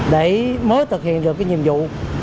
để mới thực hiện được nhiệm vụ